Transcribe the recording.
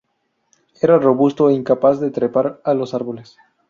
Era robusto e incapaz de trepar a los árboles.